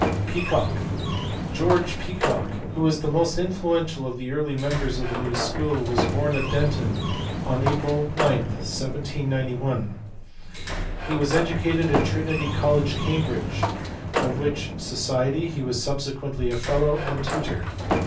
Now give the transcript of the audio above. Peacock. George Peacock, who was the most influential of the early members of the new school, was born at Denton on April 9, 1791. He was educated at Trinity College, Cam bridge, of which society he was subsequently a fellow and tutor.